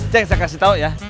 ceng saya kasih tau ya